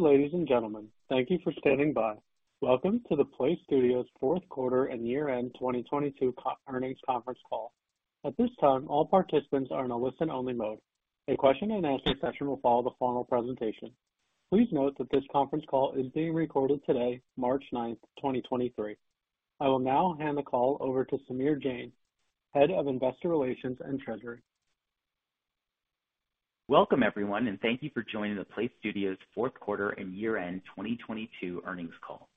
Ladies and gentlemen, thank you for standing by. Welcome to the PLAYSTUDIOS fourth quarter and year-end 2022 earnings conference call. At this time, all participants are in a listen-only mode. A question and answer session will follow the formal presentation. Please note that this conference call is being recorded today, March 9th, 2023. I will now hand the call over to Samir Jain, Head of Investor Relations and Treasury. Welcome, everyone, and thank you for joining the PLAYSTUDIOS fourth quarter and year-end 2022 earnings call.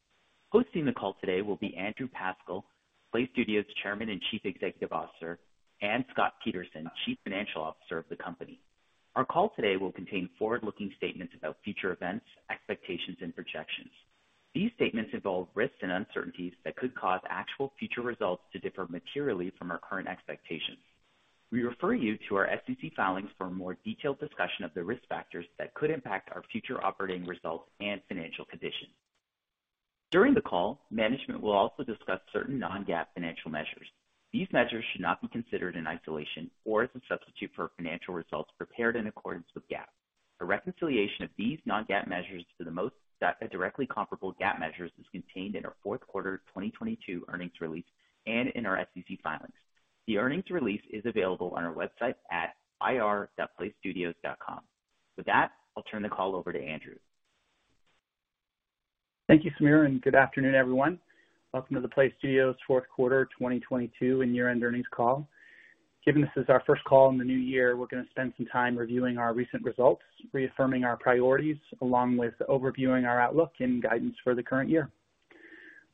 Hosting the call today will be Andrew Pascal, PLAYSTUDIOS Chairman and Chief Executive Officer, and Scott Peterson, Chief Financial Officer of the company. Our call today will contain forward-looking statements about future events, expectations, and projections. These statements involve risks and uncertainties that could cause actual future results to differ materially from our current expectations. We refer you to our SEC filings for a more detailed discussion of the risk factors that could impact our future operating results and financial condition. During the call, management will also discuss certain non-GAAP financial measures. These measures should not be considered in isolation or as a substitute for financial results prepared in accordance with GAAP. A reconciliation of these non-GAAP measures to the most directly comparable GAAP measures is contained in our fourth quarter 2022 earnings release and in our SEC filings. The earnings release is available on our website at ir.playstudios.com. With that, I'll turn the call over to Andrew. Thank you, Samir, and good afternoon, everyone. Welcome to the PLAYSTUDIOS fourth quarter 2022 and year-end earnings call. Given this is our first call in the new year, we're going to spend some time reviewing our recent results, reaffirming our priorities, along with overviewing our outlook and guidance for the current year.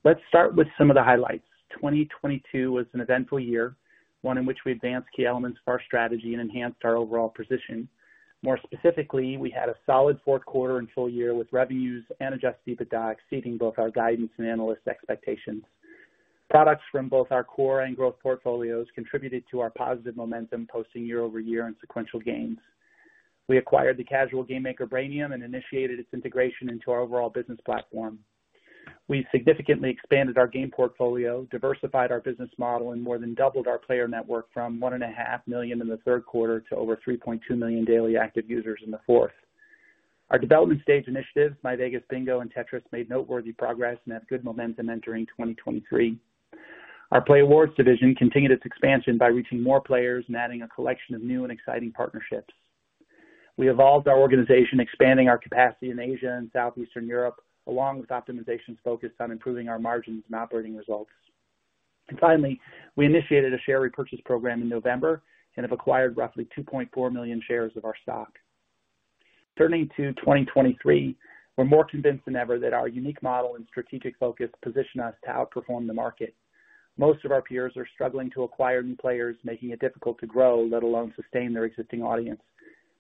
Let's start with some of the highlights. 2022 was an eventful year, one in which we advanced key elements of our strategy and enhanced our overall position. More specifically, we had a solid fourth quarter and full year with revenues and adjusted EBITDA exceeding both our guidance and analyst expectations. Products from both our core and growth portfolios contributed to our positive momentum posting year-over-year in sequential gains. We acquired the casual game maker Brainium and initiated its integration into our overall business platform. We significantly expanded our game portfolio, diversified our business model, and more than doubled our player network from 1.5 million in the third quarter to over 3.2 million daily active users in the fourth. Our development stage initiatives, myVEGAS Bingo and Tetris, made noteworthy progress and have good momentum entering 2023. Our playAWARDS division continued its expansion by reaching more players and adding a collection of new and exciting partnerships. We evolved our organization, expanding our capacity in Asia and Southeastern Europe, along with optimizations focused on improving our margins and operating results. Finally, we initiated a share repurchase program in November and have acquired roughly 2.4 million shares of our stock. Turning to 2023, we're more convinced than ever that our unique model and strategic focus position us to outperform the market. Most of our peers are struggling to acquire new players, making it difficult to grow, let alone sustain their existing audience.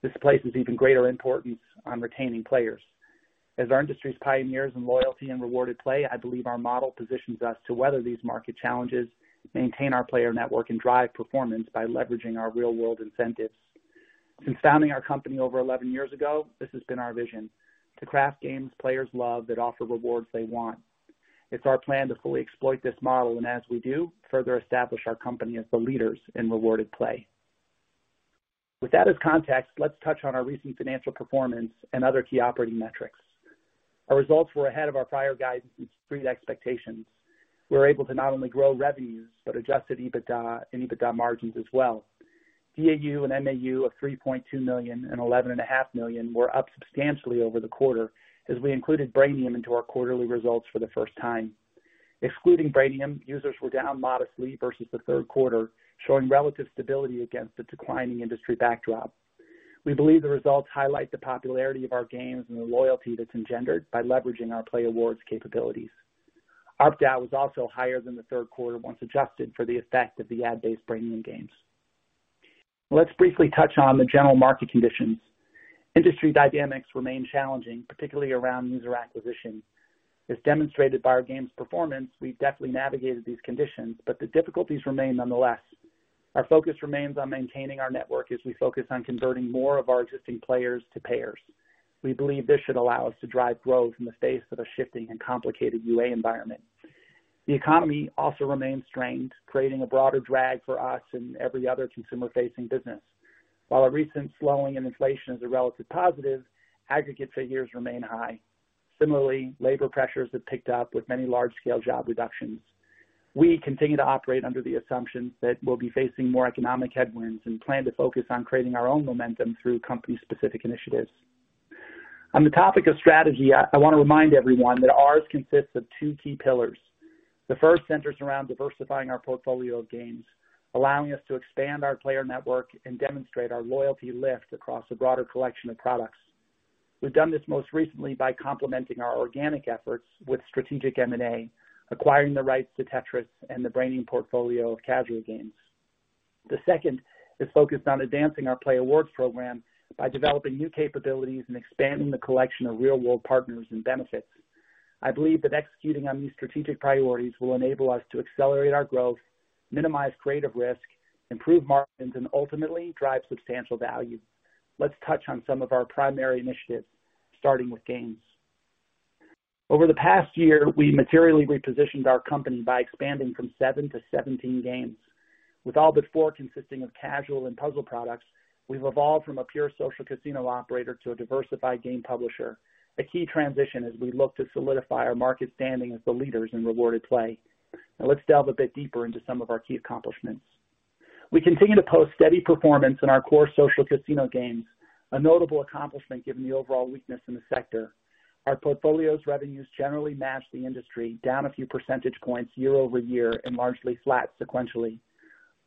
This places even greater importance on retaining players. As our industry's pioneers in loyalty and rewarded play, I believe our model positions us to weather these market challenges, maintain our player network, and drive performance by leveraging our real-world incentives. Since founding our company over 11 years ago, this has been our vision: to craft games players love that offer rewards they want. It's our plan to fully exploit this model, and as we do, further establish our company as the leaders in rewarded play. With that as context, let's touch on our recent financial performance and other key operating metrics. Our results were ahead of our prior guidance and Street expectations. We were able to not only grow revenues, but adjusted EBITDA and EBITDA margins as well. DAU and MAU of 3.2 million and 11.5 million were up substantially over the quarter as we included Brainium into our quarterly results for the first time. Excluding Brainium, users were down modestly versus the third quarter, showing relative stability against the declining industry backdrop. We believe the results highlight the popularity of our games and the loyalty that's engendered by leveraging our playAWARDS capabilities. ARPDAU was also higher than the third quarter once adjusted for the effect of the ad-based Brainium games. Let's briefly touch on the general market conditions. Industry dynamics remain challenging, particularly around user acquisition. As demonstrated by our games performance, we've definitely navigated these conditions, but the difficulties remain nonetheless. Our focus remains on maintaining our network as we focus on converting more of our existing players to payers. We believe this should allow us to drive growth in the face of a shifting and complicated UA environment. The economy also remains strained, creating a broader drag for us and every other consumer-facing business. A recent slowing in inflation is a relative positive, aggregate figures remain high. Labor pressures have picked up with many large-scale job reductions. We continue to operate under the assumption that we'll be facing more economic headwinds and plan to focus on creating our own momentum through company-specific initiatives. On the topic of strategy, I want to remind everyone that ours consists of two key pillars. The first centers around diversifying our portfolio of games, allowing us to expand our player network and demonstrate our loyalty lift across a broader collection of products. We've done this most recently by complementing our organic efforts with strategic M&A, acquiring the rights to Tetris and the Brainium portfolio of casual games. The second is focused on advancing our playAWARDS program by developing new capabilities and expanding the collection of real-world partners and benefits. I believe that executing on these strategic priorities will enable us to accelerate our growth, minimize creative risk, improve margins, and ultimately drive substantial value. Let's touch on some of our primary initiatives, starting with games. Over the past year, we materially repositioned our company by expanding from seven to 17 games. With all but four consisting of casual and puzzle products, we've evolved from a pure social casino operator to a diversified game publisher, a key transition as we look to solidify our market standing as the leaders in rewarded play. Now let's delve a bit deeper into some of our key accomplishments. We continue to post steady performance in our core social casino games, a notable accomplishment given the overall weakness in the sector. Our portfolio's revenues generally match the industry down a few percentage points year-over-year and largely flat sequentially.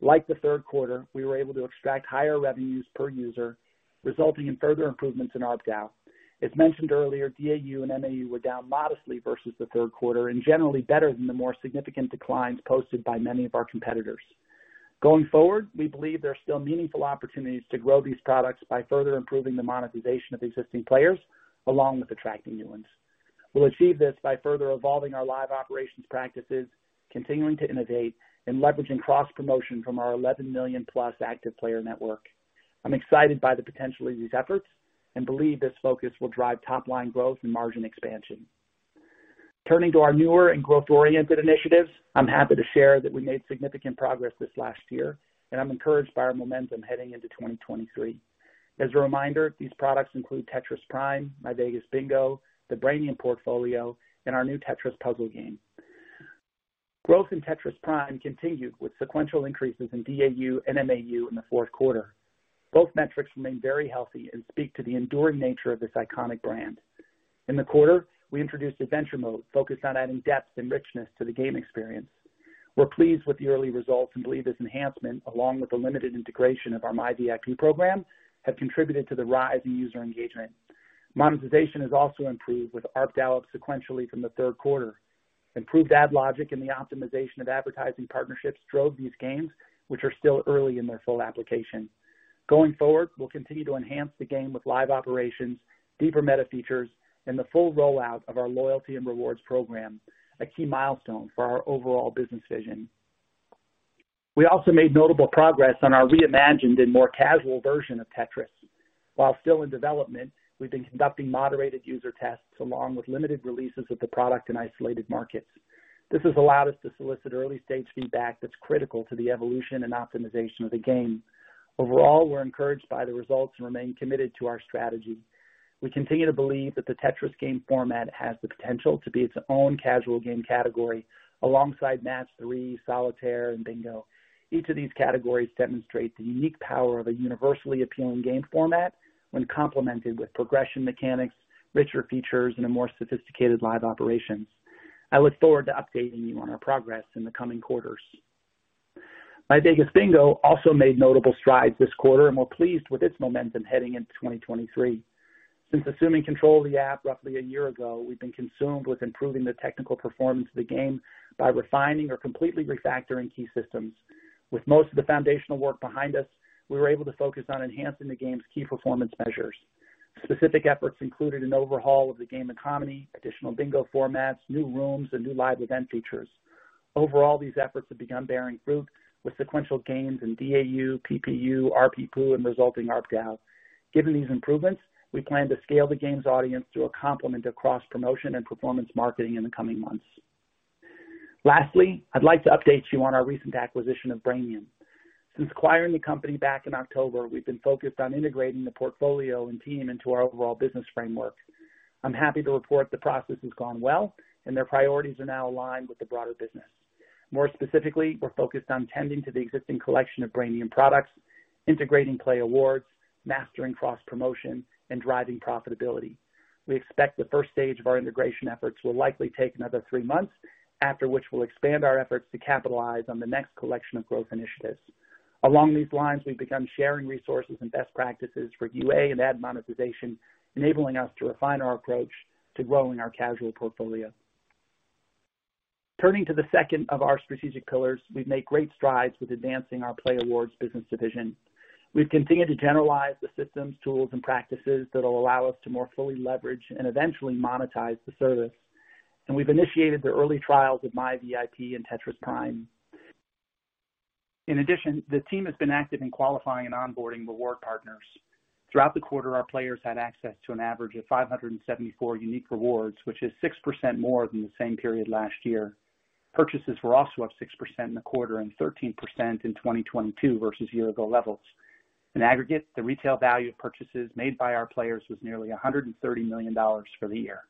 Like the third quarter, we were able to extract higher revenues per user, resulting in further improvements in ARPDAU. As mentioned earlier, DAU and MAU were down modestly versus the third quarter and generally better than the more significant declines posted by many of our competitors. Going forward, we believe there are still meaningful opportunities to grow these products by further improving the monetization of existing players along with attracting new ones. We'll achieve this by further evolving our live operations practices, continuing to innovate and leveraging cross promotion from our 11 million-plus active player network. I'm excited by the potential of these efforts and believe this focus will drive top line growth and margin expansion. Turning to our newer and growth-oriented initiatives, I'm happy to share that we made significant progress this last year, and I'm encouraged by our momentum heading into 2023. As a reminder, these products include Tetris Prime, myVEGAS Bingo, the Brainium portfolio, and our new Tetris puzzle game. Growth in Tetris Prime continued with sequential increases in DAU and MAU in the fourth quarter. Both metrics remain very healthy and speak to the enduring nature of this iconic brand. In the quarter, we introduced Adventure Mode focused on adding depth and richness to the game experience. We're pleased with the early results and believe this enhancement, along with the limited integration of our myVIP program, have contributed to the rise in user engagement. Monetization has also improved with ARPDAU sequentially from the third quarter. Improved ad logic and the optimization of advertising partnerships drove these gains, which are still early in their full application. Going forward, we'll continue to enhance the game with live operations, deeper meta features, and the full rollout of our loyalty and rewards program, a key milestone for our overall business vision. We also made notable progress on our reimagined and more casual version of Tetris. While still in development, we've been conducting moderated user tests along with limited releases of the product in isolated markets. This has allowed us to solicit early-stage feedback that's critical to the evolution and optimization of the game. Overall, we're encouraged by the results and remain committed to our strategy. We continue to believe that the Tetris game format has the potential to be its own casual game category alongside Match-3, Solitaire, and Bingo. Each of these categories demonstrate the unique power of a universally appealing game format when complemented with progression mechanics, richer features, and a more sophisticated live operations. I look forward to updating you on our progress in the coming quarters. myVEGAS Bingo also made notable strides this quarter, and we're pleased with its momentum heading into 2023. Since assuming control of the app roughly a year ago, we've been consumed with improving the technical performance of the game by refining or completely refactoring key systems. With most of the foundational work behind us, we were able to focus on enhancing the game's key performance measures. Specific efforts included an overhaul of the game economy, additional Bingo formats, new rooms, and new live event features. Overall, these efforts have begun bearing fruit with sequential gains in DAU, PPU, RPPU, and resulting ARPDAU. Given these improvements, we plan to scale the game's audience through a complement of cross-promotion and performance marketing in the coming months. Lastly, I'd like to update you on our recent acquisition of Brainium. Since acquiring the company back in October, we've been focused on integrating the portfolio and team into our overall business framework. I'm happy to report the process has gone well and their priorities are now aligned with the broader business. More specifically, we're focused on tending to the existing collection of Brainium products, integrating playAWARDS, mastering cross-promotion, and driving profitability. We expect the first stage of our integration efforts will likely take another three months, after which we'll expand our efforts to capitalize on the next collection of growth initiatives. Along these lines, we've begun sharing resources and best practices for UA and ad monetization, enabling us to refine our approach to growing our casual portfolio. Turning to the second of our strategic pillars, we've made great strides with advancing our playAWARDS business division. We've continued to generalize the systems, tools, and practices that will allow us to more fully leverage and eventually monetize the service. We've initiated the early trials of myVIP and Tetris Prime. In addition, the team has been active in qualifying and onboarding reward partners. Throughout the quarter, our players had access to an average of 574 unique rewards, which is 6% more than the same period last year. Purchases were also up 6% in the quarter and 13% in 2022 versus year-ago levels. In aggregate, the retail value of purchases made by our players was nearly $130 million for the year.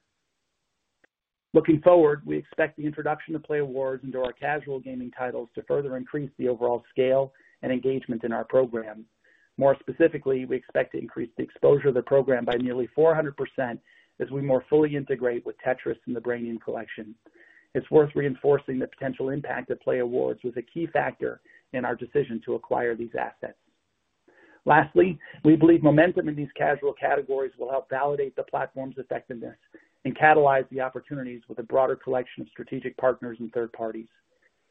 Looking forward, we expect the introduction of playAWARDS into our casual gaming titles to further increase the overall scale and engagement in our program. More specifically, we expect to increase the exposure of the program by nearly 400% as we more fully integrate with Tetris and the Brainium collection. It's worth reinforcing the potential impact that playAWARDS was a key factor in our decision to acquire these assets. Lastly, we believe momentum in these casual categories will help validate the platform's effectiveness and catalyze the opportunities with a broader collection of strategic partners and third parties.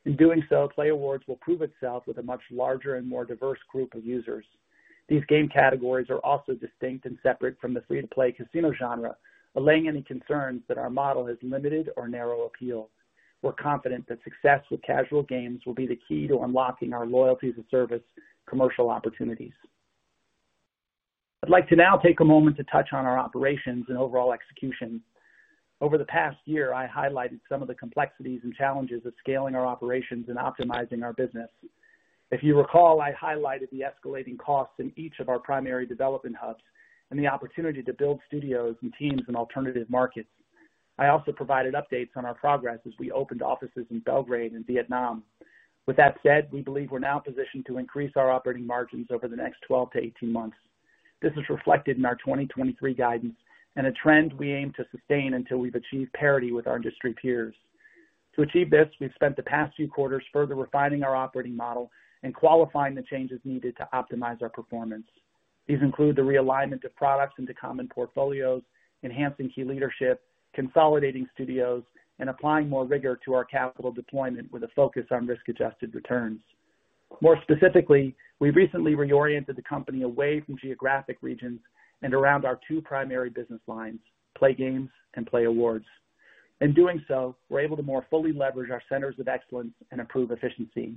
In doing so, playAWARDS will prove itself with a much larger and more diverse group of users. These game categories are also distinct and separate from the free-to-play casino genre, allaying any concerns that our model has limited or narrow appeal. We're confident that success with casual games will be the key to unlocking our loyalty as a service commercial opportunities. I'd like to now take a moment to touch on our operations and overall execution. Over the past year, I highlighted some of the complexities and challenges of scaling our operations and optimizing our business. If you recall, I highlighted the escalating costs in each of our primary development hubs and the opportunity to build studios and teams in alternative markets. I also provided updates on our progress as we opened offices in Belgrade and Vietnam. With that said, we believe we're now positioned to increase our operating margins over the next 12-18 months. This is reflected in our 2023 guidance and a trend we aim to sustain until we've achieved parity with our industry peers. To achieve this, we've spent the past few quarters further refining our operating model and qualifying the changes needed to optimize our performance. These include the realignment of products into common portfolios, enhancing key leadership, consolidating studios, and applying more rigor to our capital deployment with a focus on risk-adjusted returns. More specifically, we recently reoriented the company away from geographic regions and around our two primary business lines, playGAMES and playAWARDS. In doing so, we're able to more fully leverage our centers of excellence and improve efficiency.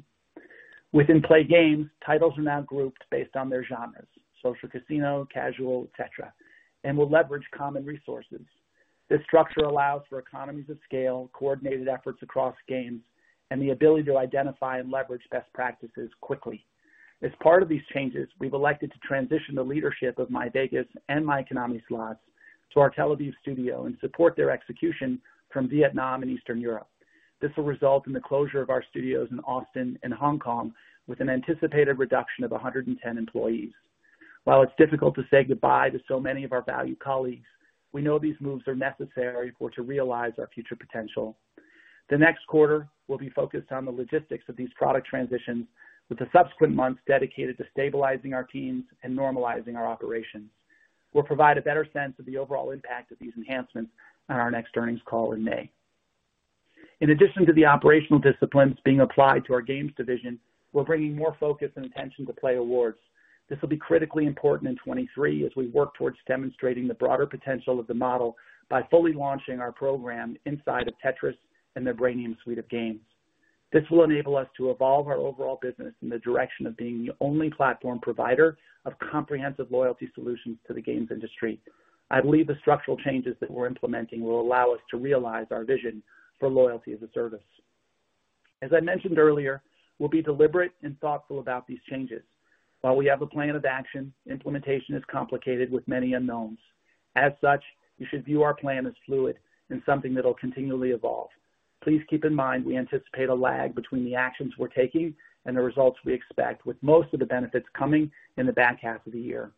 Within playGAMES, titles are now grouped based on their genres, social casino, casual, et cetera, and will leverage common resources. This structure allows for economies of scale, coordinated efforts across games, and the ability to identify and leverage best practices quickly. As part of these changes, we've elected to transition the leadership of myVEGAS and myKONAMI Slots to our Tel Aviv studio and support their execution from Vietnam and Eastern Europe. This will result in the closure of our studios in Austin and Hong Kong with an anticipated reduction of 110 employees. While it's difficult to say goodbye to so many of our valued colleagues, we know these moves are necessary for to realize our future potential. The next quarter will be focused on the logistics of these product transitions with the subsequent months dedicated to stabilizing our teams and normalizing our operations. We'll provide a better sense of the overall impact of these enhancements on our next earnings call in May. In addition to the operational disciplines being applied to our playGAMES division, we're bringing more focus and attention to playAWARDS. This will be critically important in 2023 as we work towards demonstrating the broader potential of the model by fully launching our program inside of Tetris and the Brainium suite of games. This will enable us to evolve our overall business in the direction of being the only platform provider of comprehensive loyalty solutions to the games industry. I believe the structural changes that we're implementing will allow us to realize our vision for loyalty as a service. As I mentioned earlier, we'll be deliberate and thoughtful about these changes. While we have a plan of action, implementation is complicated with many unknowns. As such, you should view our plan as fluid and something that'll continually evolve. Please keep in mind we anticipate a lag between the actions we're taking and the results we expect, with most of the benefits coming in the back half of the year.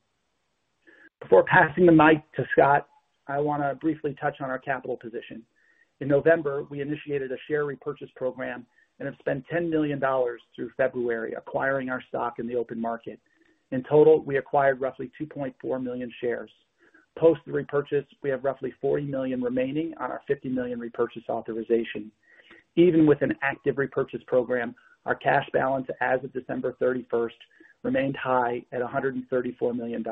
Before passing the mic to Scott, I wanna briefly touch on our capital position. In November, we initiated a share repurchase program and have spent $10 million through February acquiring our stock in the open market. In total, we acquired roughly 2.4 million shares. Post the repurchase, we have roughly $40 million remaining on our $50 million repurchase authorization. Even with an active repurchase program, our cash balance as of December 31st remained high at $134 million.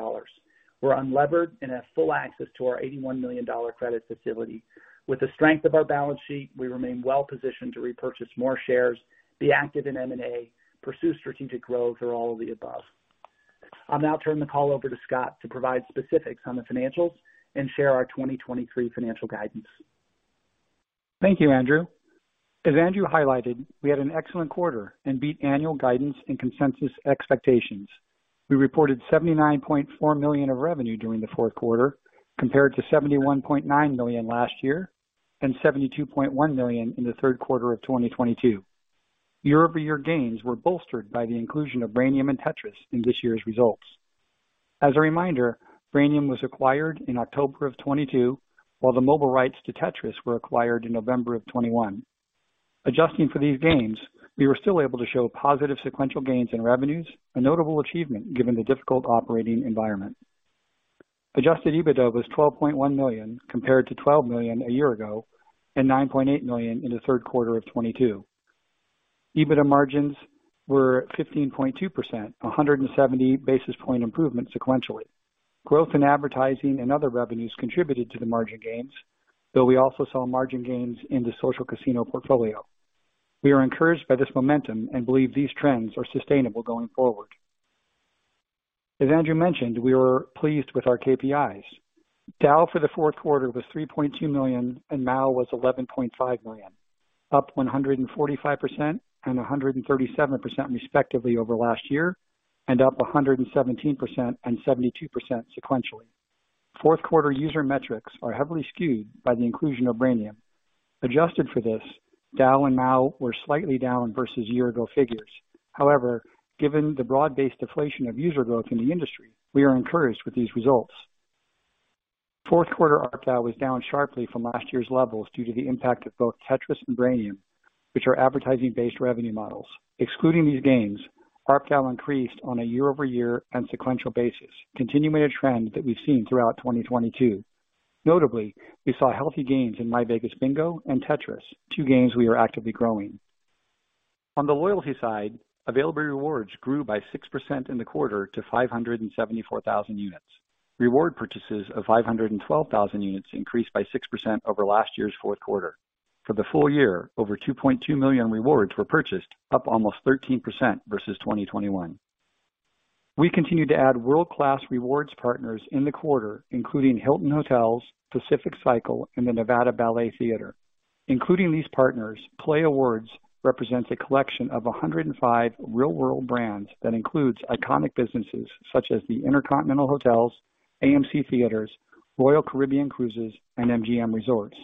We're unlevered and have full access to our $81 million credit facility. With the strength of our balance sheet, we remain well-positioned to repurchase more shares, be active in M&A, pursue strategic growth or all of the above. I'll now turn the call over to Scott to provide specifics on the financials and share our 2023 financial guidance. Thank you, Andrew. As Andrew highlighted, we had an excellent quarter and beat annual guidance and consensus expectations. We reported $79.4 million of revenue during the fourth quarter compared to $71.9 million last year and $72.1 million in the third quarter of 2022. Year-over-year gains were bolstered by the inclusion of Brainium and Tetris in this year's results. As a reminder, Brainium was acquired in October of 2022, while the mobile rights to Tetris were acquired in November of 2021. Adjusting for these gains, we were still able to show positive sequential gains in revenues, a notable achievement given the difficult operating environment. Adjusted EBITDA was $12.1 million compared to $12 million a year ago and $9.8 million in the third quarter of 2022. EBITDA margins were 15.2%, a 170 basis point improvement sequentially. Growth in advertising and other revenues contributed to the margin gains, though we also saw margin gains in the Social Casino portfolio. We are encouraged by this momentum and believe these trends are sustainable going forward. As Andrew mentioned, we were pleased with our KPIs. DAU for the fourth quarter was 3.2 million and MAU was 11.5 million, up 145% and 137% respectively over last year, and up 117% and 72% sequentially. Fourth quarter user metrics are heavily skewed by the inclusion of Brainium. Adjusted for this, DAU and MAU were slightly down versus year-ago figures. Given the broad-based deflation of user growth in the industry, we are encouraged with these results. Fourth quarter ARPDAU was down sharply from last year's levels due to the impact of both Tetris and Brainium, which are advertising-based revenue models. Excluding these gains, ARPDAU increased on a year-over-year and sequential basis, continuing a trend that we've seen throughout 2022. Notably, we saw healthy gains in myVEGAS Bingo and Tetris, two games we are actively growing. On the loyalty side, available rewards grew by 6% in the quarter to 574,000 units. Reward purchases of 512,000 units increased by 6% over last year's fourth quarter. For the full year, over 2.2 million rewards were purchased, up almost 13% versus 2021. We continued to add world-class rewards partners in the quarter, including Hilton Hotels, Pacific Cycle, and the Nevada Ballet Theatre. Including these partners, playAWARDS represents a collection of 105 real-world brands that includes iconic businesses such as the InterContinental Hotels & Resorts, AMC Theatres, Royal Caribbean Cruises, and MGM Resorts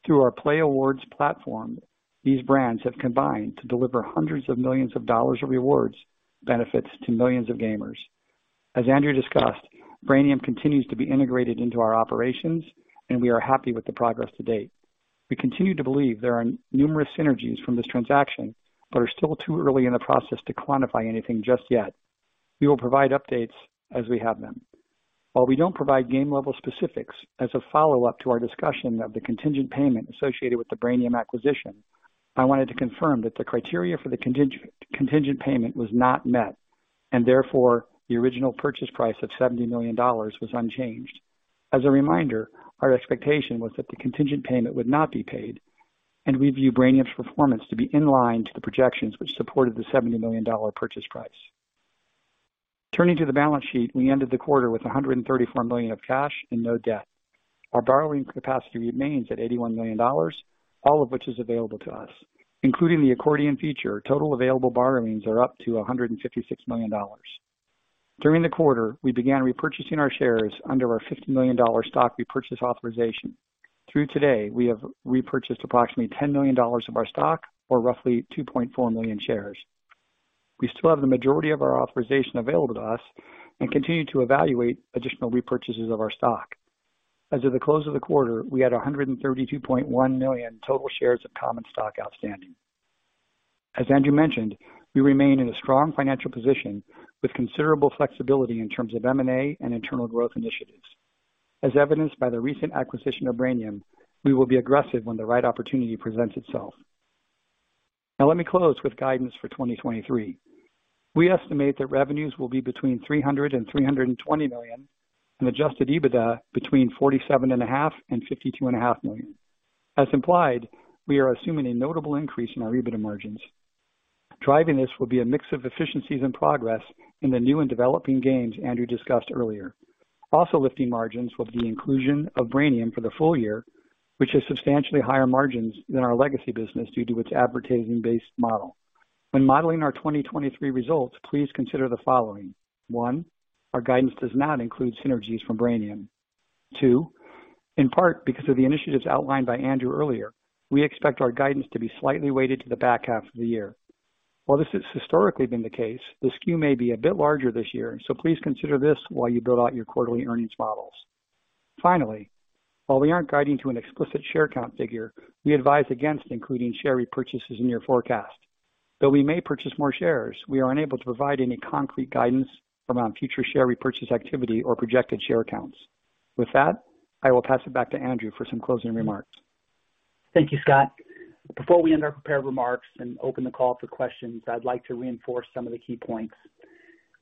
International. Through our playAWARDS platform, these brands have combined to deliver hundreds of millions of dollars of rewards benefits to millions of gamers. As Andrew discussed, Brainium continues to be integrated into our operations, and we are happy with the progress to date. We continue to believe there are numerous synergies from this transaction but are still too early in the process to quantify anything just yet. We will provide updates as we have them. While we don't provide game-level specifics as a follow-up to our discussion of the contingent payment associated with the Brainium acquisition, I wanted to confirm that the criteria for the contingent payment was not met. Therefore, the original purchase price of $70 million was unchanged. As a reminder, our expectation was that the contingent payment would not be paid. We view Brainium's performance to be in line to the projections which supported the $70 million purchase price. Turning to the balance sheet, we ended the quarter with $134 million of cash and no debt. Our borrowing capacity remains at $81 million, all of which is available to us. Including the accordion feature, total available borrowings are up to $156 million. During the quarter, we began repurchasing our shares under our $50 million stock repurchase authorization. Through today, we have repurchased approximately $10 million of our stock, or roughly 2.4 million shares. We still have the majority of our authorization available to us and continue to evaluate additional repurchases of our stock. As of the close of the quarter, we had 132.1 million total shares of common stock outstanding. As Andrew mentioned, we remain in a strong financial position with considerable flexibility in terms of M&A and internal growth initiatives. As evidenced by the recent acquisition of Brainium, we will be aggressive when the right opportunity presents itself. Let me close with guidance for 2023. We estimate that revenues will be between $300 million and $320 million, and adjusted EBITDA between $47.5 million and $52.5 million. As implied, we are assuming a notable increase in our EBITDA margins. Driving this will be a mix of efficiencies and progress in the new and developing games Andrew discussed earlier. Lifting margins will be the inclusion of Brainium for the full year, which has substantially higher margins than our legacy business due to its advertising-based model. When modeling our 2023 results, please consider the following. One, our guidance does not include synergies from Brainium. Three, in part because of the initiatives outlined by Andrew earlier, we expect our guidance to be slightly weighted to the back half of the year. While this has historically been the case, the skew may be a bit larger this year, so please consider this while you build out your quarterly earnings models. While we aren't guiding to an explicit share count figure, we advise against including share repurchases in your forecast. Though we may purchase more shares, we are unable to provide any concrete guidance around future share repurchase activity or projected share counts. With that, I will pass it back to Andrew for some closing remarks. Thank you, Scott. Before we end our prepared remarks and open the call for questions, I'd like to reinforce some of the key points.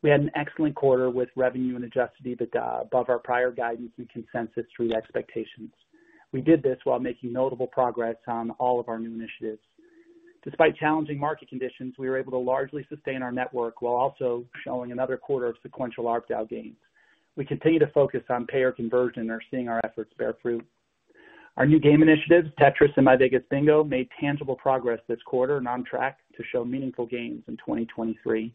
We had an excellent quarter with revenue and adjusted EBITDA above our prior guidance and consensus Street expectations. We did this while making notable progress on all of our new initiatives. Despite challenging market conditions, we were able to largely sustain our network while also showing another quarter of sequential ARPDAU gains. We continue to focus on payer conversion and are seeing our efforts bear fruit. Our new game initiatives, Tetris and myVEGAS Bingo, made tangible progress this quarter and on track to show meaningful gains in 2023.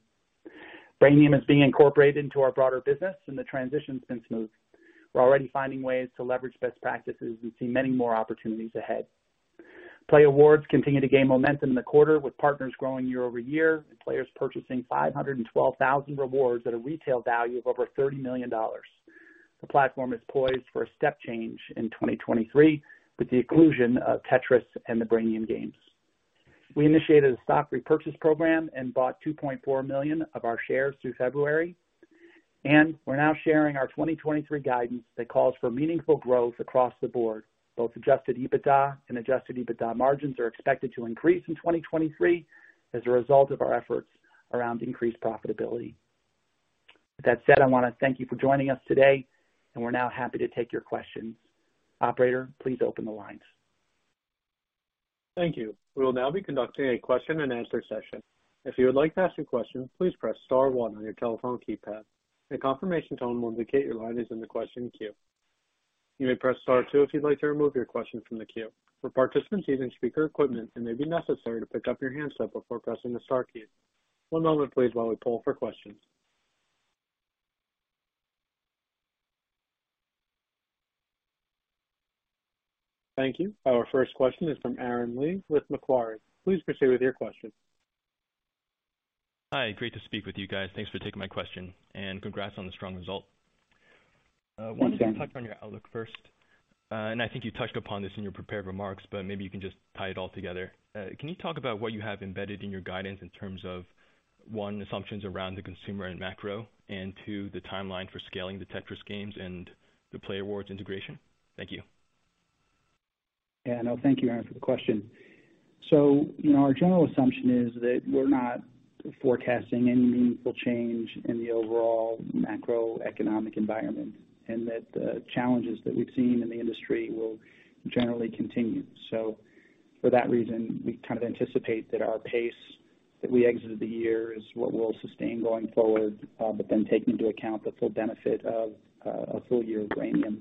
Brainium is being incorporated into our broader business, and the transition's been smooth. We're already finding ways to leverage best practices and see many more opportunities ahead. playAWARDS continued to gain momentum in the quarter with partners growing year-over-year and players purchasing 512,000 rewards at a retail value of over $30 million. The platform is poised for a step change in 2023 with the inclusion of Tetris and the Brainium games. We initiated a stock repurchase program and bought 2.4 million of our shares through February. We're now sharing our 2023 guidance that calls for meaningful growth across the board. Both adjusted EBITDA and adjusted EBITDA margins are expected to increase in 2023 as a result of our efforts around increased profitability. With that said, I wanna thank you for joining us today. We're now happy to take your questions. Operator, please open the lines. Thank you. We will now be conducting a question-and-answer session. If you would like to ask a question, please press star one on your telephone keypad. A confirmation tone will indicate your line is in the question queue. You may press star two if you'd like to remove your question from the queue. For participants using speaker equipment, it may be necessary to pick up your handset before pressing the star key. One moment please while we poll for questions. Thank you. Our first question is from Aaron Lee with Macquarie. Please proceed with your question. Hi. Great to speak with you guys. Thanks for taking my question. Congrats on the strong result. You bet. Why don't you talk on your outlook first? I think you touched upon this in your prepared remarks, but maybe you can just tie it all together. Can you talk about what you have embedded in your guidance in terms of, one, assumptions around the consumer and macro, and two, the timeline for scaling the Tetris games and the playAWARDS integration? Thank you. Thank you, Aaron, for the question. You know, our general assumption is that we're not forecasting any meaningful change in the overall macroeconomic environment and that the challenges that we've seen in the industry will generally continue. For that reason, we kind of anticipate that our pace that we exited the year is what we'll sustain going forward, but then take into account the full benefit of a full year of Brainium.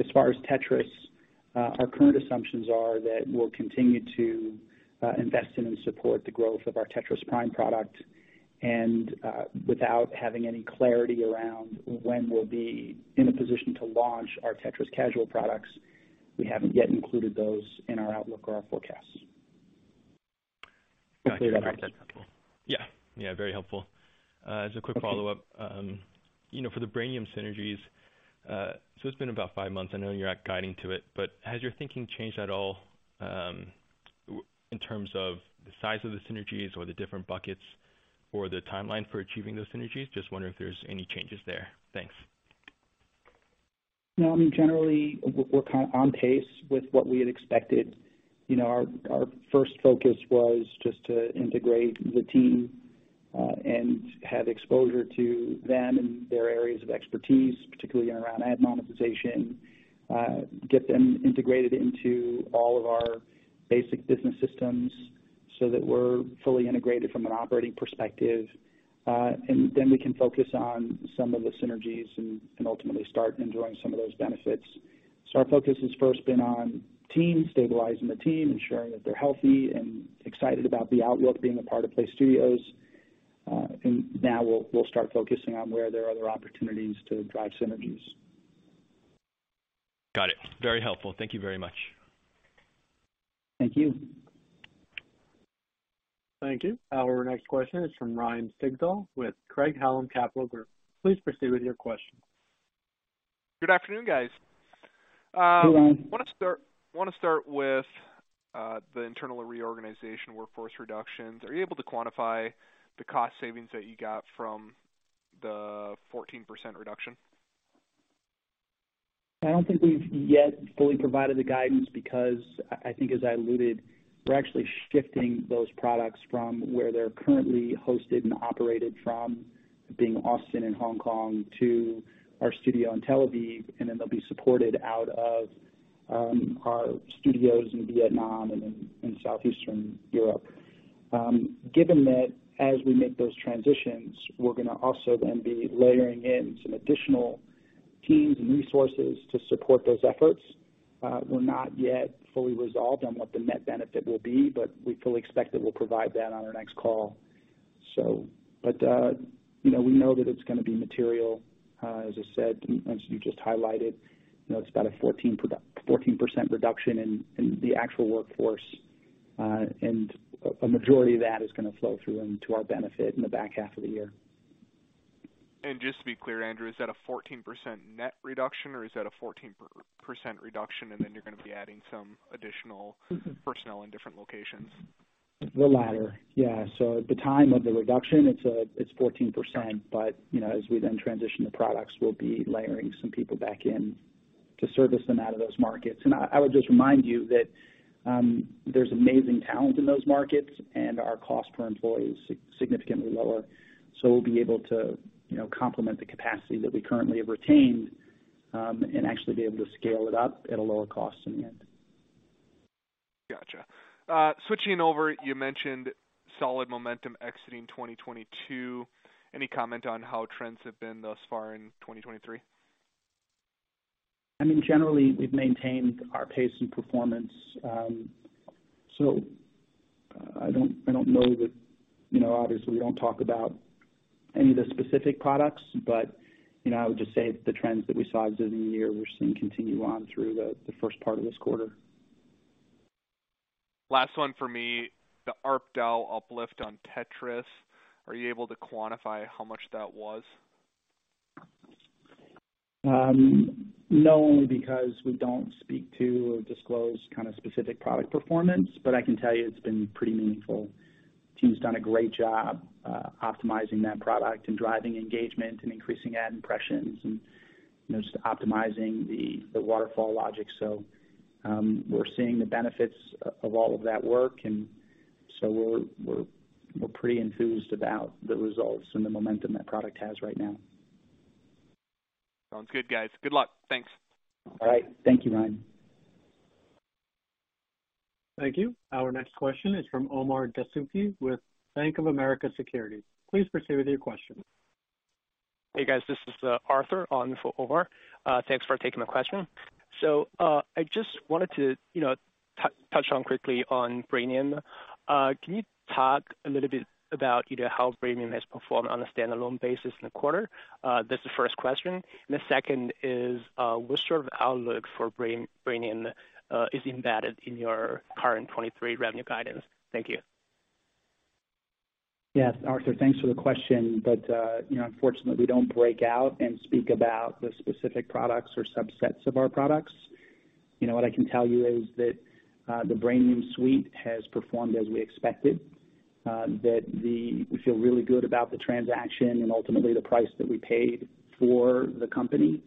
As far as Tetris, our current assumptions are that we'll continue to invest in and support the growth of our Tetris Prime product. Without having any clarity around when we'll be in a position to launch our Tetris Casual products, we haven't yet included those in our outlook or our forecasts. Yeah. Yeah. Very helpful. As a quick follow-up, you know, for the Brainium synergies, so it's been about five months. I know you're not guiding to it, but has your thinking changed at all, in terms of the size of the synergies or the different buckets or the timeline for achieving those synergies? Just wondering if there's any changes there. Thanks. No, I mean, generally we're on pace with what we had expected. You know, our first focus was just to integrate the team, and have exposure to them and their areas of expertise, particularly around ad monetization, get them integrated into all of our basic business systems so that we're fully integrated from an operating perspective. Then we can focus on some of the synergies and ultimately start enjoying some of those benefits. Our focus has first been on team, stabilizing the team, ensuring that they're healthy and excited about the outlook being a part of PLAYSTUDIOS. Now we'll start focusing on where there are other opportunities to drive synergies. Got it. Very helpful. Thank you very much. Thank you. Thank you. Our next question is from Ryan Sigdahl with Craig-Hallum Capital Group. Please proceed with your question. Good afternoon, guys. Hey, Ryan. Wanna start with the internal reorganization workforce reductions. Are you able to quantify the cost savings that you got from the 14% reduction? I don't think we've yet fully provided the guidance because I think as I alluded, we're actually shifting those products from where they're currently hosted and operated from being Austin and Hong Kong to our studio in Tel Aviv, and then they'll be supported out of our studios in Vietnam and in Southeastern Europe. Given that, as we make those transitions, we're gonna also then be layering in some additional teams and resources to support those efforts. We're not yet fully resolved on what the net benefit will be, but we fully expect that we'll provide that on our next call. You know, we know that it's gonna be material, as I said, and as you just highlighted, you know, it's about a 14% reduction in the actual workforce, and a majority of that is gonna flow through into our benefit in the back half of the year. Just to be clear, Andrew, is that a 14% net reduction or is that a 14% reduction and then you're gonna be adding some? Personnel in different locations? The latter. Yeah. At the time of the reduction, it's 14%. You know, as we then transition the products, we'll be layering some people back in to service them out of those markets. I would just remind you that, there's amazing talent in those markets and our cost per employee is significantly lower. We'll be able to, you know, complement the capacity that we currently have retained, and actually be able to scale it up at a lower cost in the end. Gotcha. Switching over, you mentioned solid momentum exiting 2022. Any comment on how trends have been thus far in 2023? I mean, generally we've maintained our pace and performance. I don't know that, you know, obviously we don't talk about any of the specific products, but, you know, I would just say the trends that we saw exiting the year we're seeing continue on through the first part of this quarter. Last one for me. The ARPDAU uplift on Tetris, are you able to quantify how much that was? No, only because we don't speak to or disclose kinda specific product performance, I can tell you it's been pretty meaningful. Team's done a great job optimizing that product and driving engagement and increasing ad impressions and, you know, just optimizing the waterfall logic. We're seeing the benefits of all of that work, and we're pretty enthused about the results and the momentum that product has right now. Sounds good, guys. Good luck. Thanks. All right. Thank you, Ryan. Thank you. Our next question is from Omar Dessouky with Bank of America Securities. Please proceed with your question. Hey, guys, this is Arthur on for Omar. Thanks for taking my question. I just wanted to, you know, touch on quickly on Brainium. Can you talk a little bit about either how Brainium has performed on a standalone basis in the quarter? That's the first question. The second is what sort of outlook for Brainium is embedded in your current 2023 revenue guidance? Thank you. You know, Arthur, thanks for the question. You know, unfortunately, we don't break out and speak about the specific products or subsets of our products. You know, what I can tell you is that the Brainium suite has performed as we expected. We feel really good about the transaction and ultimately the price that we paid for the company.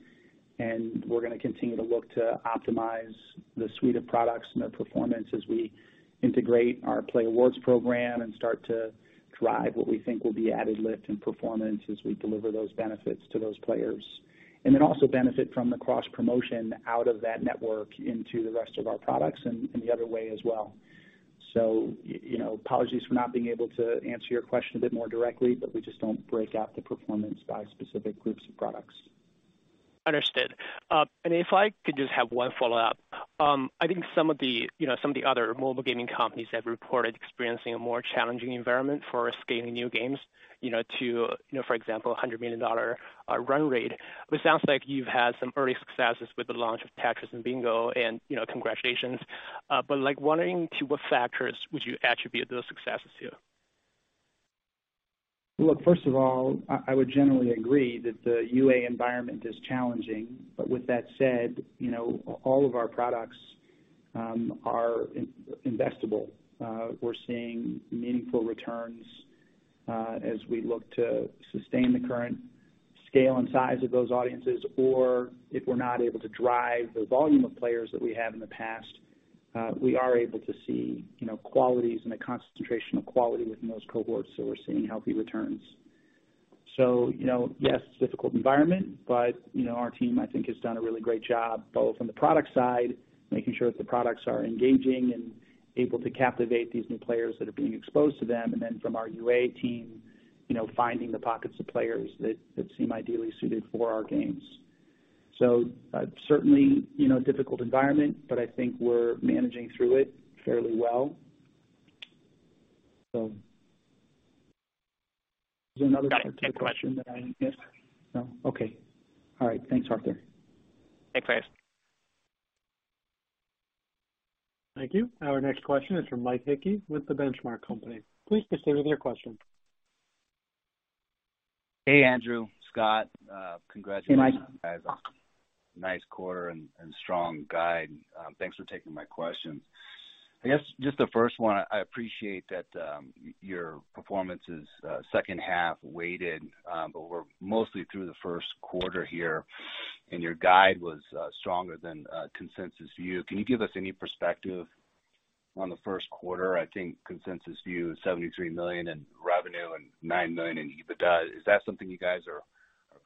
We're gonna continue to look to optimize the suite of products and their performance as we integrate our playAWARDS program and start to drive what we think will be added lift and performance as we deliver those benefits to those players. Then also benefit from the cross-promotion out of that network into the rest of our products and the other way as well. you know, apologies for not being able to answer your question a bit more directly, but we just don't break out the performance by specific groups of products. Understood. If I could just have one follow-up. I think some of the, you know, some of the other mobile gaming companies have reported experiencing a more challenging environment for scaling new games, you know, to, you know, for example, a $100 million run rate. It sounds like you've had some early successes with the launch of Tetris and Bingo and, you know, congratulations. Wondering to what factors would you attribute those successes to? First of all, I would generally agree that the UA environment is challenging. With that said, you know, all of our products are investable. We're seeing meaningful returns as we look to sustain the current scale and size of those audiences. If we're not able to drive the volume of players that we have in the past, we are able to see, you know, qualities and the concentration of quality within those cohorts. We're seeing healthy returns. You know, yes, difficult environment, our team, I think, has done a really great job, both on the product side, making sure that the products are engaging and able to captivate these new players that are being exposed to them. From our UA team, you know, finding the pockets of players that seem ideally suited for our games. Certainly, you know, difficult environment, but I think we're managing through it fairly well. Is there another part to the question that I missed? No. No. Okay. All right. Thanks, Arthur. Thanks, guys. Thank you. Our next question is from Mike Hickey with The Benchmark Company. Please proceed with your question. Hey, Andrew, Scott. Congratulations- Hey, Mike. guys on a nice quarter and strong guide. Thanks for taking my questions. I guess just the first one, I appreciate that, your performance is second half weighted, but we're mostly through the first quarter here, and your guide was stronger than consensus view. Can you give us any perspective on the first quarter? I think consensus view is $73 million in revenue and $9 million in EBITDA. Is that something you guys are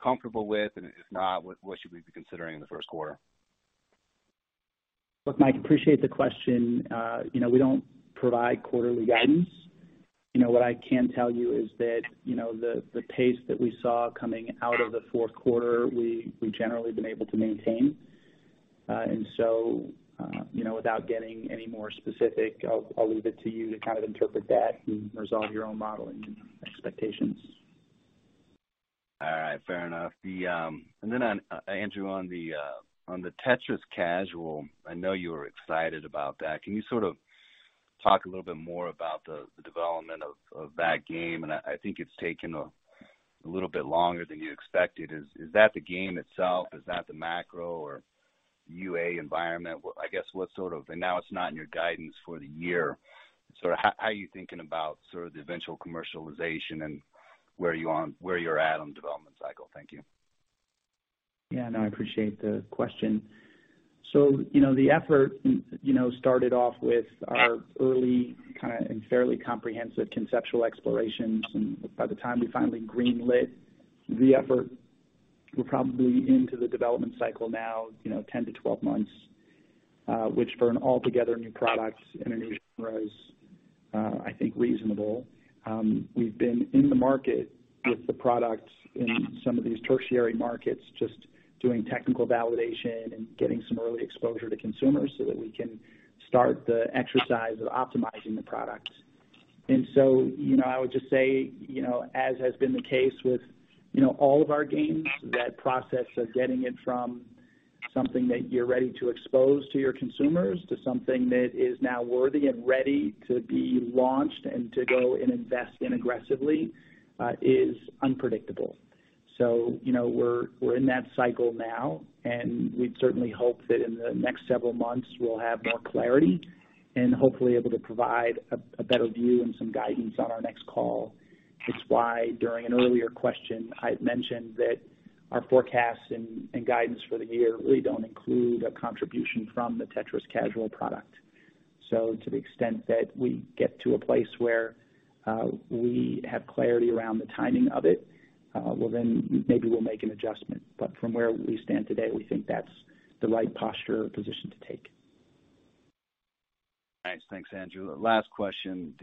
comfortable with? If not, what should we be considering in the first quarter? Look, Mike, appreciate the question. You know, we don't provide quarterly guidance. You know, what I can tell you is that, you know, the pace that we saw coming out of the fourth quarter, we generally have been able to maintain. You know, without getting any more specific, I'll leave it to you to kind of interpret that and resolve your own modeling expectations. All right. Fair enough. Andrew, on the Tetris Casual, I know you were excited about that. Can you sort of talk a little bit more about the development of that game? I think it's taken a little bit longer than you expected. Is that the game itself? Is that the macro or UA environment? I guess what sort of? Now it's not in your guidance for the year. Sort of how are you thinking about sort of the eventual commercialization and where you are, where you're at on development cycle? Thank you. Yeah. No, I appreciate the question. You know, the effort, you know, started off with our early kind of and fairly comprehensive conceptual explorations. By the time we finally greenlit the effort, we're probably into the development cycle now, you know, 10-12 months, which for an altogether new product and a new I think reasonable. We've been in the market with the product in some of these tertiary markets, just doing technical validation and getting some early exposure to consumers so that we can start the exercise of optimizing the product. You know, I would just say, you know, as has been the case with, you know, all of our games, that process of getting it from something that you're ready to expose to your consumers to something that is now worthy and ready to be launched and to go and invest in aggressively, is unpredictable. You know, we're in that cycle now, and we'd certainly hope that in the next several months we'll have more clarity and hopefully able to provide a better view and some guidance on our next call. It's why, during an earlier question, I'd mentioned that our forecast and guidance for the year really don't include a contribution from the Tetris Casual product. To the extent that we get to a place where we have clarity around the timing of it, well then maybe we'll make an adjustment. From where we stand today, we think that's the right posture or position to take. Nice. Thanks, Andrew. Last question.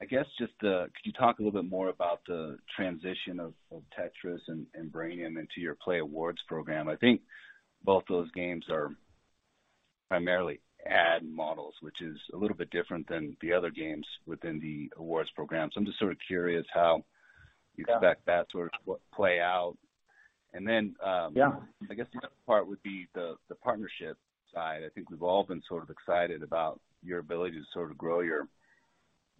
I guess just the, could you talk a little bit more about the transition of Tetris and Brainium into your playAWARDS program? I think both those games are primarily ad models, which is a little bit different than the other games within the awards program. I'm just sort of curious how you expect that sort of play out. Yeah. I guess the other part would be the partnership side. I think we've all been sort of excited about your ability to sort of grow your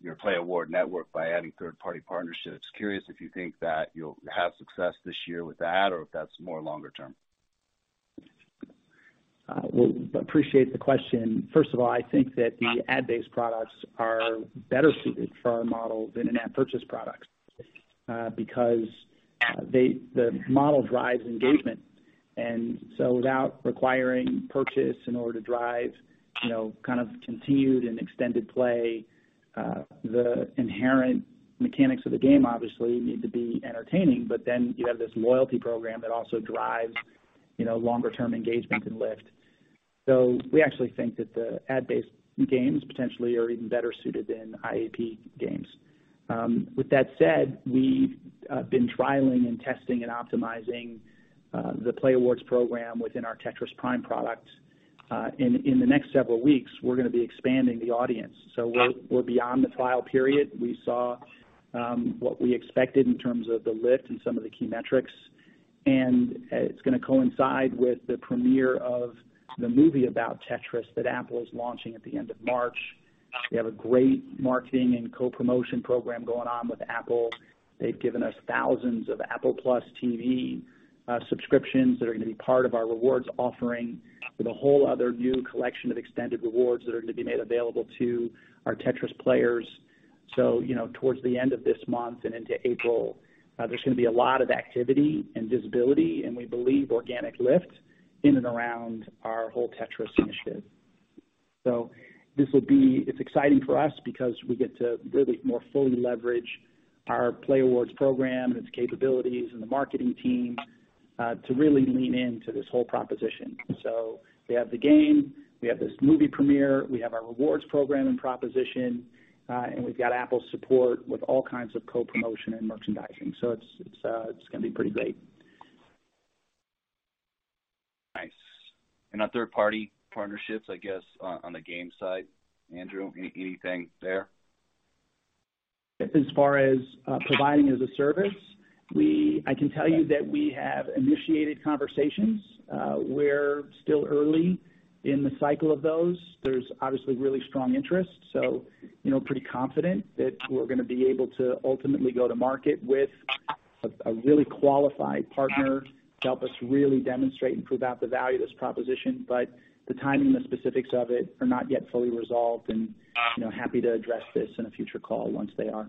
playAWARDS network by adding third-party partnerships. Curious if you think that you'll have success this year with that or if that's more longer term? Well, appreciate the question. First of all, I think that the ad-based products are better suited for our model than in-app purchase products because the model drives engagement. Without requiring purchase in order to drive, you know, kind of continued and extended play, the inherent mechanics of the game obviously need to be entertaining. You have this loyalty program that also drives, you know, longer term engagement and lift. We actually think that the ad-based games potentially are even better suited than IAP games. With that said, we've been trialing and testing and optimizing the playAWARDS program within our Tetris Prime product. In the next several weeks, we're gonna be expanding the audience. We're beyond the trial period. We saw what we expected in terms of the lift and some of the key metrics. It's going to coincide with the premiere of the movie about Tetris that Apple is launching at the end of March. We have a great marketing and co-promotion program going on with Apple. They've given us thousands of Apple TV+ subscriptions that are going to be part of our rewards offering with a whole other new collection of extended rewards that are going to be made available to our Tetris players. You know, towards the end of this month and into April, there's going to be a lot of activity and visibility, and we believe organic lift in and around our whole Tetris initiative. It's exciting for us because we get to really more fully leverage our playAWARDS program and its capabilities and the marketing team to really lean into this whole proposition. We have the game, we have this movie premiere, we have our rewards program and proposition, and we've got Apple's support with all kinds of co-promotion and merchandising. It's gonna be pretty great. Nice. On third-party partnerships, I guess, on the game side, Andrew, anything there? As far as providing as a service, I can tell you that we have initiated conversations. We're still early in the cycle of those. There's obviously really strong interest, you know, pretty confident that we're gonna be able to ultimately go to market with a really qualified partner to help us really demonstrate and prove out the value of this proposition. The timing and the specifics of it are not yet fully resolved and, you know, happy to address this in a future call once they are.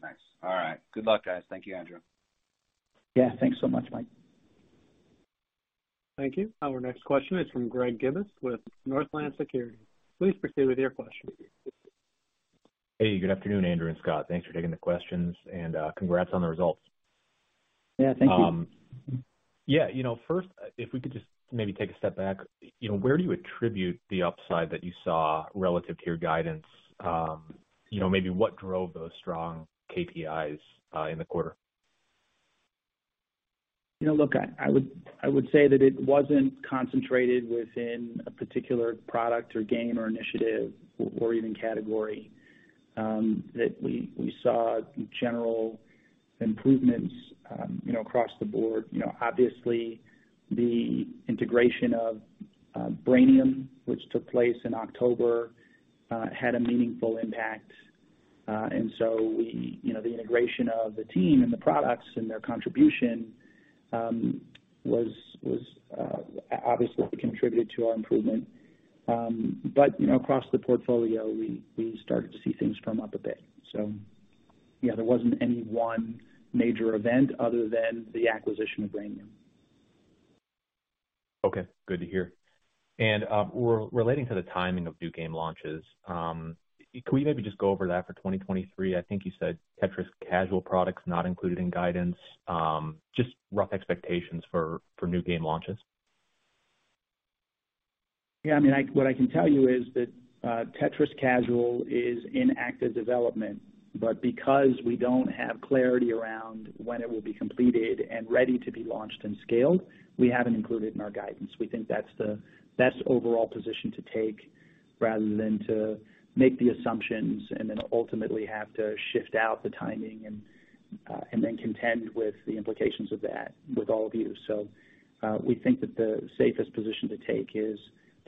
Nice. All right. Good luck, guys. Thank you, Andrew. Yeah, thanks so much, Mike. Thank you. Our next question is from Greg Gibas with Northland Securities. Please proceed with your question. Hey, good afternoon, Andrew and Scott. Thanks for taking the questions, and congrats on the results. Yeah, thank you. You know, first, if we could just maybe take a step back. You know, where do you attribute the upside that you saw relative to your guidance? You know, maybe what drove those strong KPIs in the quarter? You know, look, I would, I would say that it wasn't concentrated within a particular product or game or initiative or even category, that we saw general improvements, you know, across the board. You know, obviously the integration of Brainium, which took place in October, had a meaningful impact. We, you know, the integration of the team and the products and their contribution, was obviously contributed to our improvement. You know, across the portfolio, we started to see things firm up a bit. Yeah, there wasn't any one major event other than the acquisition of Brainium. Okay, good to hear. Relating to the timing of new game launches, can we maybe just go over that for 2023? I think you said Tetris Casual products not included in guidance. Just rough expectations for new game launches. Yeah, I mean, what I can tell you is that Tetris Casual is in active development, but because we don't have clarity around when it will be completed and ready to be launched and scaled, we haven't included in our guidance. We think that's the best overall position to take rather than to make the assumptions and then ultimately have to shift out the timing and then contend with the implications of that with all of you. We think that the safest position to take is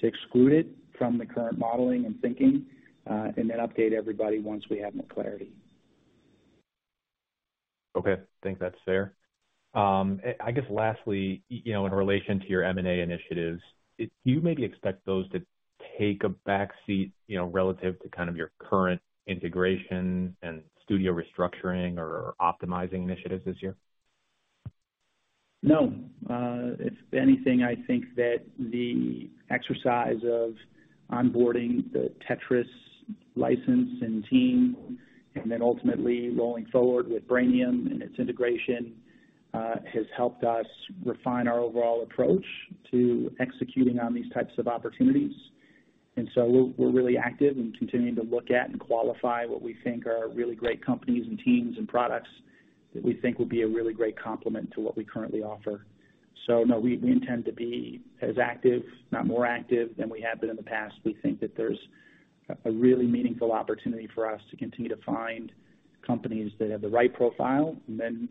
to exclude it from the current modeling and thinking and then update everybody once we have more clarity. Okay. Think that's fair. I guess lastly, you know, in relation to your M&A initiatives, do you maybe expect those to take a backseat, you know, relative to kind of your current integration and studio restructuring or optimizing initiatives this year? No. If anything, I think that the exercise of onboarding the Tetris license and team and then ultimately rolling forward with Brainium and its integration has helped us refine our overall approach to executing on these types of opportunities. We're, we're really active and continuing to look at and qualify what we think are really great companies and teams and products that we think will be a really great complement to what we currently offer. No, we intend to be as active, if not more active, than we have been in the past. We think that there's a really meaningful opportunity for us to continue to find companies that have the right profile and then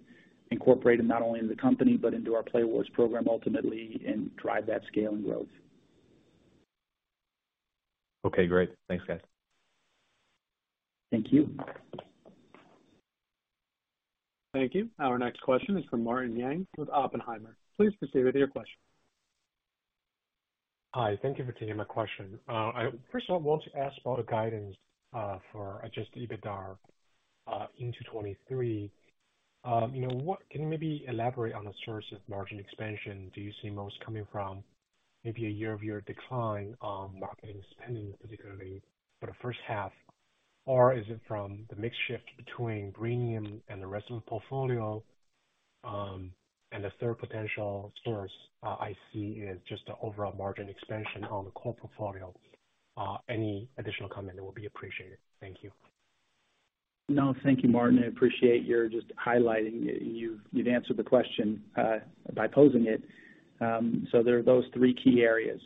incorporate them not only into the company but into our playAWARDS program ultimately and drive that scale and growth. Okay, great. Thanks, guys. Thank you. Thank you. Our next question is from Martin Yang with Oppenheimer. Please proceed with your question. Hi. Thank you for taking my question. I first of all want to ask about the guidance for adjusted EBITDA into 2023. You know, can you maybe elaborate on the source of margin expansion do you see most coming from maybe a year-over-year decline on marketing spending, particularly for the first half? Or is it from the mix shift between Brainium and the rest of the portfolio? The third potential source I see is just the overall margin expansion on the core portfolio. Any additional comment will be appreciated. Thank you. No, thank you, Martin. I appreciate your just highlighting. You've answered the question, by posing it. There are those three key areas.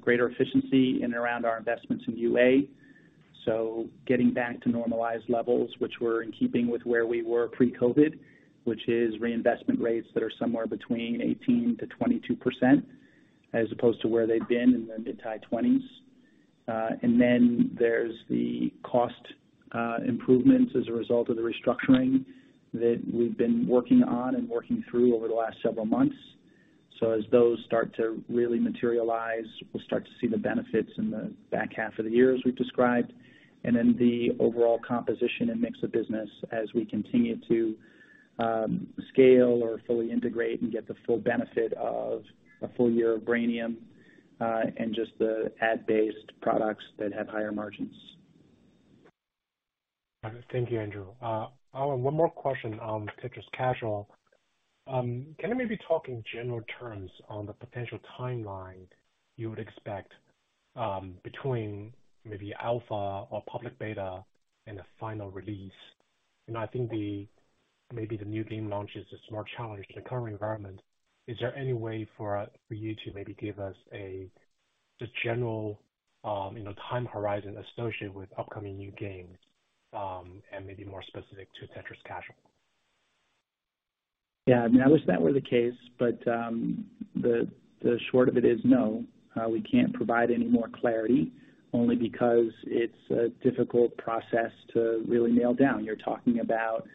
Greater efficiency in around our investments in UA, getting back to normalized levels which were in keeping with where we were pre-COVID, which is reinvestment rates that are somewhere between 18%-22%, as opposed to where they've been in the mid-high 20s. Then there's the cost improvements as a result of the restructuring that we've been working on and working through over the last several months. As those start to really materialize, we'll start to see the benefits in the back half of the year, as we've described. The overall composition and mix of business as we continue to scale or fully integrate and get the full benefit of a full year of Brainium and just the ad-based products that have higher margins. Thank you, Andrew. One more question on Tetris Casual. Can you maybe talk in general terms on the potential timeline you would expect between maybe alpha or public beta and a final release? I think the new game launch is a smart challenge in the current environment. Is there any way for you to maybe give us a just general, you know, time horizon associated with upcoming new games, and maybe more specific to Tetris Casual? Yeah, I mean, I wish that were the case, but the short of it is no, we can't provide any more clarity only because it's a difficult process to really nail down. You're talking about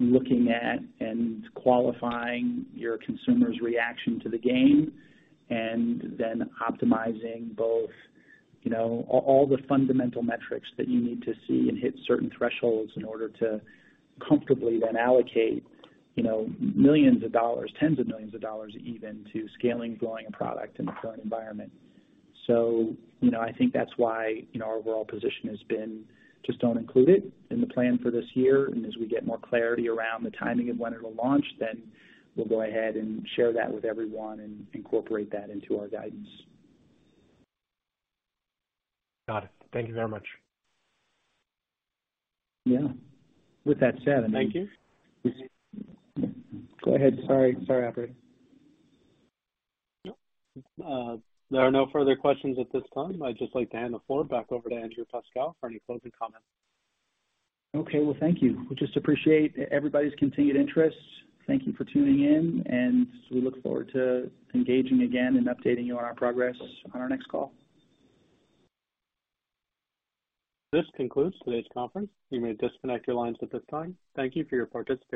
looking at and qualifying your consumer's reaction to the game and then optimizing both, you know, all the fundamental metrics that you need to see and hit certain thresholds in order to comfortably then allocate, you know, millions of dollars, tens of millions of dollars even, to scaling, growing a product in the current environment. I think that's why, you know, our overall position has been just don't include it in the plan for this year. As we get more clarity around the timing of when it'll launch, then we'll go ahead and share that with everyone and incorporate that into our guidance. Got it. Thank you very much. Yeah. With that said. Thank you. Go ahead. Sorry. Sorry, operator. No. There are no further questions at this time. I'd just like to hand the floor back over to Andrew Pascal for any closing comments. Okay. Well, thank you. We just appreciate everybody's continued interest. Thank you for tuning in, and we look forward to engaging again and updating you on our progress on our next call. This concludes today's conference. You may disconnect your lines at this time. Thank you for your participation.